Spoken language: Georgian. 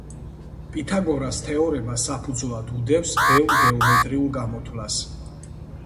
პითაგორას თეორემა საფუძვლად უდევს ბევრ გეომეტრიულ გამოთვლას.